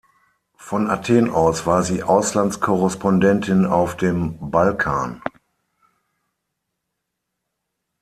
Von Athen aus war sie Auslandskorrespondentin auf dem Balkan.